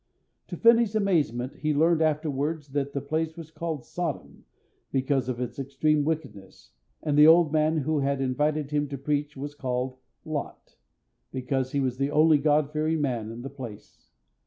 To Finney's amazement, he learned afterwards that the place was called Sodom, because of its extreme wickedness, and the old man who had invited him to preach was called Lot, because he was the only God fearing man in the place.